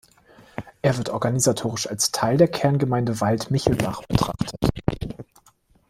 Er wird organisatorisch als Teil der Kerngemeinde Wald-Michelbach betrachtet.